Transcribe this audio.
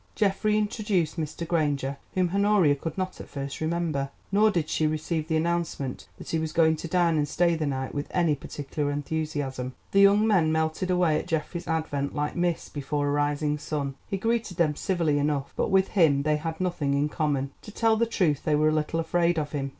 Geoffrey introduced Mr. Granger, whom Honoria could not at first remember. Nor did she receive the announcement that he was going to dine and stay the night with any particular enthusiasm. The young men melted away at Geoffrey's advent like mists before a rising sun. He greeted them civilly enough, but with him they had nothing in common. To tell the truth they were a little afraid of him.